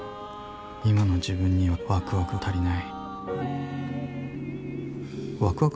今の自分にはワクワクが足りない。